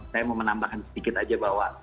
saya mau menambahkan sedikit aja bahwa